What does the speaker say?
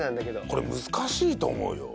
これ難しいと思うよ。